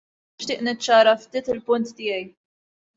Nixtieq niċċara ftit il-punt tiegħi.